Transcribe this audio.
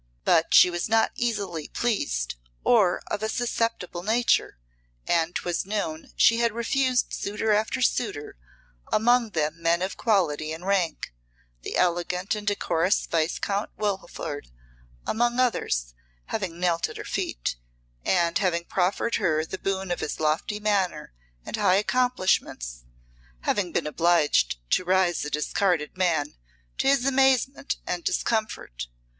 But she was not easily pleased, or of a susceptible nature, and 'twas known she had refused suitor after suitor, among them men of quality and rank, the elegant and decorous Viscount Wilford, among others, having knelt at her feet, and having proffered her the boon of his lofty manner and high accomplishments having been obliged to rise a discarded man, to his amazement and discomfort.